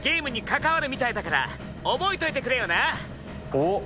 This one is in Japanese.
おっ。